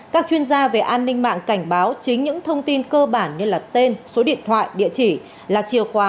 các chuyên gia về an ninh mạng cảnh báo chính những thông tin cơ bản như tên số điện thoại địa chỉ là chìa khóa